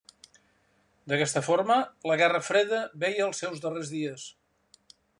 D'aquesta forma, la Guerra Freda veia els seus darrers dies.